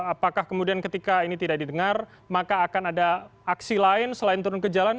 apakah kemudian ketika ini tidak didengar maka akan ada aksi lain selain turun ke jalan